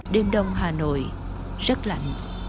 đêm đông hà nội rất lạnh